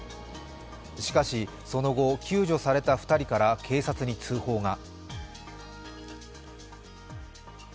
しかしその後、救助された２人から警察に通報が。